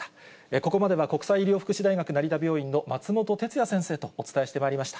ここまでは国際医療福祉大学成田病院の松本哲哉先生とお伝えしてまいりました。